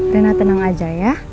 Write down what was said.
rena tenang aja ya